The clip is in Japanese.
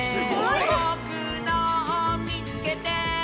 「ぼくのをみつけて！」